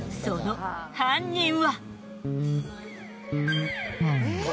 その犯人は。